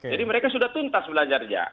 jadi mereka sudah tuntas belajar